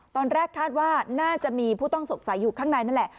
ตอนแรกคาดว่าน่าจะมีผู้ต้องสงสัยอยู่ข้างในนั่นแหละ